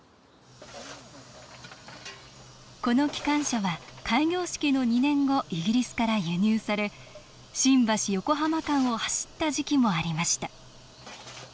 この機関車は開業式の２年後イギリスから輸入され新橋横浜間を走った時期もありました